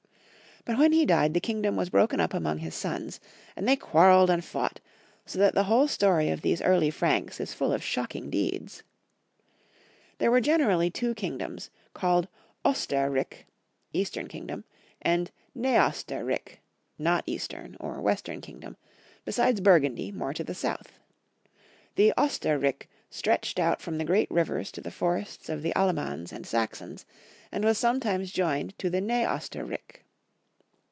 But when he died the kingdom was broken up among his sons, and they quarreled and fought, so that the whole story of these early Franks is full of shocking deeds. There were generally two king doms, called Oster rik, eastern kingdom, and Ne oster rik, not eastern, or western kingdom, besides Burgundy, more to the south. The Oster rik stretched out from the great rivers to the forests of the AUemans and Saxons, and was sometimes joined to the Ne oster rik.